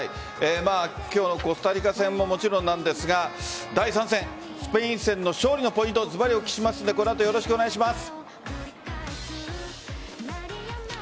今日のコスタリカ戦ももちろんなんですが第３戦スペイン戦の勝利のポイントずばりお聞きしますのでこの後、よろしくお願いします。